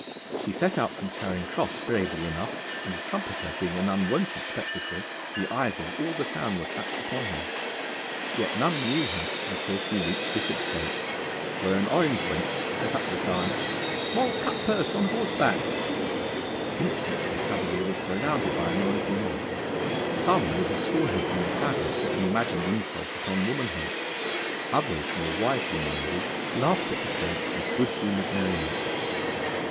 She set out from Charing Cross bravely enough, and a trumpeter being an unwonted spectacle, the eyes of all the town were clapped upon her. Yet none knew her until she reached Bishopsgate, where an orange wench set up the cry, 'Moll Cutpurse on horseback!' Instantly the cavalier was surrounded by a noisy mob. Some would have torn her from the saddle for an imagined insult upon womanhood, others, more wisely minded, laughed at the prank with good humoured merriment.